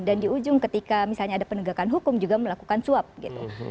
dan di ujung ketika misalnya ada penegakan hukum juga melakukan suap gitu